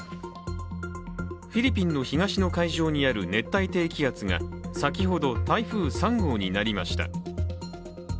フィリピンの東の海上にある熱帯低気圧が先ほど台風３号になりました。